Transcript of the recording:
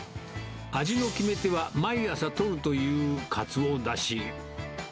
味の決め手は毎朝取るというかつおだし。